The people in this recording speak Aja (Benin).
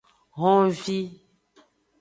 Honvi.